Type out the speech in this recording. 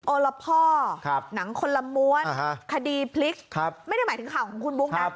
ละพ่อหนังคนละม้วนคดีพลิกไม่ได้หมายถึงข่าวของคุณบุ๊คนะ